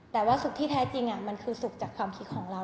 แต่ว่าสุขที่แท้จริงมันคือสุขจากความคิดของเรา